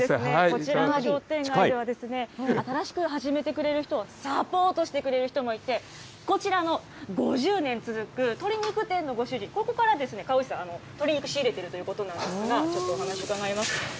こちらの商店街では、新しく始めてくれる人をサポートしてくれる人もいて、こちらの５０年続く鶏肉店のご主人、ここから河内さん、鶏肉仕入れているということなんですが、ちょっとお話伺います。